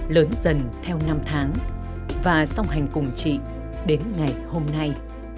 lớn dần theo năm tháng và song hành cùng chị đến ngày hôm nay